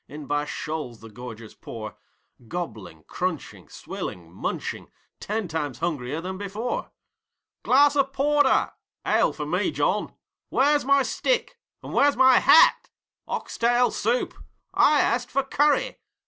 In by shoals the gorgers pour, Gobbling, crunching, swilling, munching ten times hungrier than before. 'Glass of porter!' 'Ale for me, John!' 'Where's my stick?' 'And where's my hat!' 'Oxtal soup!' 'I asked for curry!'